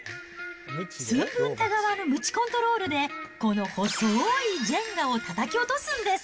寸分たがわぬむちコントロールで、この細いジェンガをたたき落とすんです。